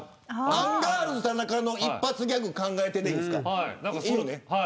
アンガールズ田中の一発ギャグ考えて、でいいんですか。